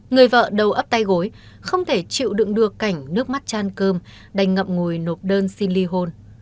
người vợ đầu ấp tay gối không thể chịu đựng được cảnh nước mắt chăn cơm đành ngậm ngùi nộp đơn xin ly hôn